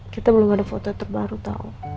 kita belum ada foto terbaru tahu